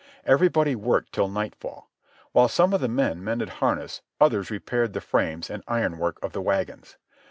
Everybody worked till nightfall. While some of the men mended harness others repaired the frames and ironwork of the wagons.